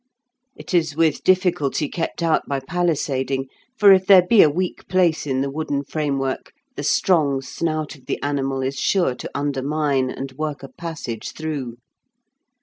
It is with difficulty kept out by palisading, for if there be a weak place in the wooden framework, the strong snout of the animal is sure to undermine and work a passage through.